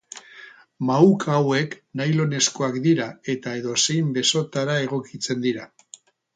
Mahuka hauek nylonezkoak dira eta edozein besotara egokitzen dira.